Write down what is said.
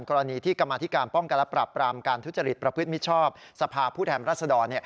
กรณีที่กรรมาธิการป้องกันและปรับปรามการทุจริตประพฤติมิชชอบสภาพผู้แทนรัศดร